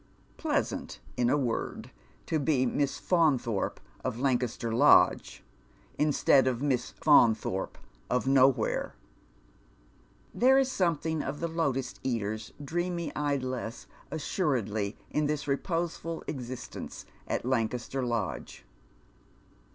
Pleasaut, in a word, to be Miss Faunthorpe i^ The Sweets of Life. 83 Lancaater Lodge, instead of Miss Faunthorpe of nowhere. There is buiautliing oj; the lutus eater's dreamy idlesse assuredly iu this reposeful existence at Lancaster Lodge.